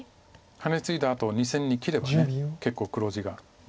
ハネツイだあと２線に切れば結構黒地ができそうではある。